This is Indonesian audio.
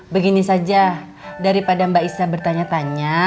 begini saja daripada mbak isa bertanya tanya